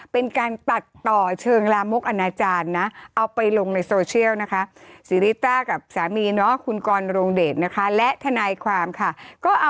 เป็นใบหน้าแล้วก็